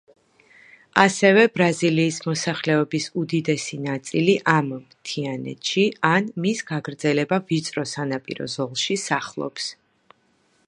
ასევე, ბრაზილიის მოსახლეობის უდიდესი ნაწილი ამ მთიანეთში ან მის გაგრძელება ვიწრო სანაპირო ზოლში სახლობს.